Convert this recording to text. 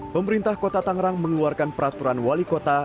pemerintah kota tangerang mengeluarkan peraturan wali kota